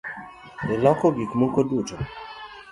Iloko gikmoko duto?